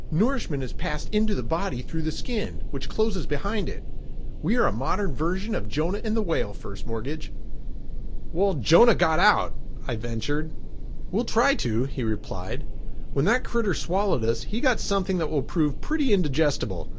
Nourishment is passed into the body through the skin, which closes behind it. We are a modern version of Jonah and the whale, First Mortgage." "Well, Jonah got out," I ventured. "We'll try to," he replied. "When that critter swallowed us, he got something that will prove pretty indigestible.